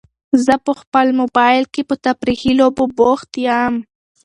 زه په خپل موبایل کې په تفریحي لوبو بوخت یم.